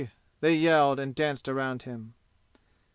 they yelled and danced around him.